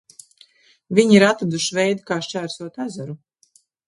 Viņi ir atraduši veidu kā šķērsot ezeru!